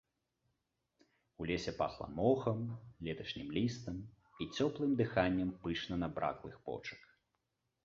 У лесе пахла мохам, леташнім лістам і цёплым дыханнем пышна набраклых почак.